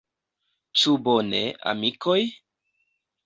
Ĉu bone, amikoj?